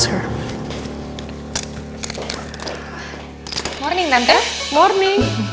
selamat pagi tante